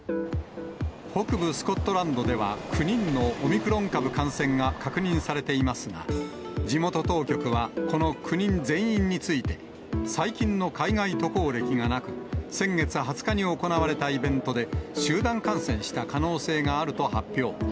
北部スコットランドでは、９人のオミクロン株感染が確認されていますが、地元当局は、この９人全員について、最近の海外渡航歴がなく、先月２０日に行われたイベントで集団感染した可能性があると発表。